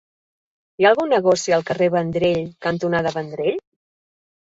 Hi ha algun negoci al carrer Vendrell cantonada Vendrell?